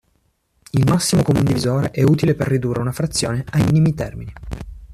Il massimo comun divisore è utile per ridurre una frazione ai minimi termini.